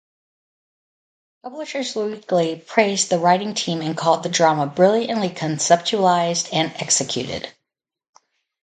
Publishers Weekly praised the writing team and called the drama "brilliantly conceptualized and executed".